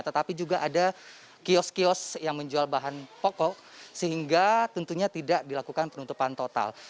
tetapi juga ada kios kios yang menjual bahan pokok sehingga tentunya tidak dilakukan penutupan total